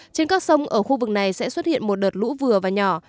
trên các sông ở khu vực này sẽ xuất hiện một đợt lũ vừa và nhỏ